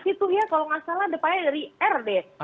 itu ya kalau gak salah depannya dari r deh